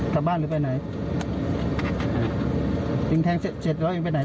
กลับบ้านหรือไปไหนเองแทงเสร็จเจ็ดร้อยเองไปไหน